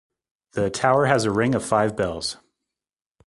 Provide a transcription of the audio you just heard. The tower has a ring of five bells.